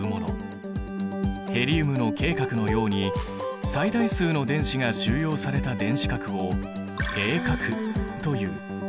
ヘリウムのＫ殻のように最大数の電子が収容された電子殻を閉殻という。